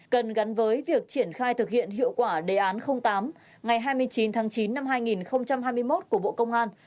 cần gắn với việc triển khai thực hiện hiệu quả đề án tám ngày hai mươi chín tháng chín năm hai nghìn hai mươi một của bộ công an